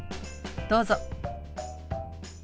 どうぞ。